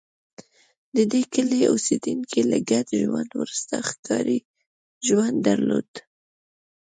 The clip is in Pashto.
د دې کلي اوسېدونکي له ګډ ژوند وروسته ښکاري ژوند درلود